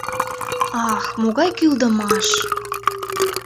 — Ах, могай кӱлдымаш!